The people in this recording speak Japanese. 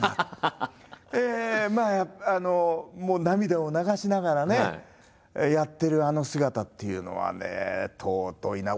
もう涙を流しながらねやってるあの姿っていうのはね尊いなあ。